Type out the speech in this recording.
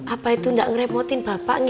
apa itu enggak ngerepotin bapak nge